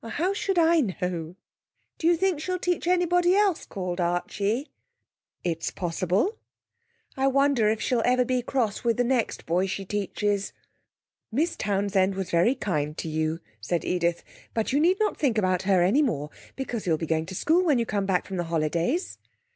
'How should I know?' 'Do you think she'll teach anybody else called Archie?' 'It's possible.' 'I wonder if she'll ever be cross with the next boy she teaches.' 'Miss Townsend was very kind to you,' said Edith. 'But you need not think about her any more, because you will be going to school when you come back from the holidays.'